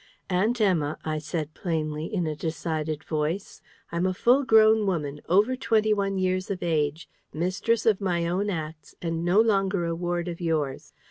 "Aunt Emma," I said plainly, in a decided voice, "I'm a full grown woman, over twenty one years of age, mistress of my own acts, and no longer a ward of yours.